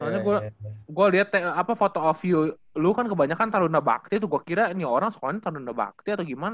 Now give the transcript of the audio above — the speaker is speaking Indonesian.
soalnya gue liat foto of view lu kan kebanyakan tarunda bakti tuh gue kira ini orang sekolahnya tarunda bakti atau gimana